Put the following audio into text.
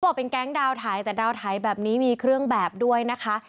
บอกเป็นแก๊งดาวไทยแต่ดาวไทยแบบนี้มีเครื่องแบบด้วยนะคะ